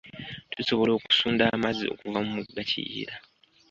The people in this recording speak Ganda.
Tusobola okusunda amazzi okuva mu mugga kiyiira.